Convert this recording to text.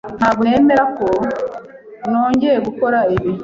Ntabwo nemera ko nongeye gukora ibi.